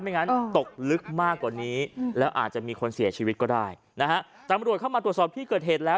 งั้นตกลึกมากกว่านี้แล้วอาจจะมีคนเสียชีวิตก็ได้นะฮะตำรวจเข้ามาตรวจสอบที่เกิดเหตุแล้ว